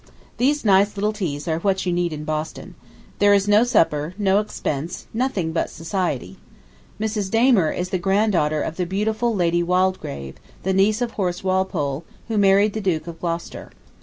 These nice little teas are what you need in Boston. There is no supper, no expense, nothing but society. Mrs. Damer is the granddaughter of the beautiful Lady Waldegrave, the niece of Horace Walpole, who married the Duke of Gloucester.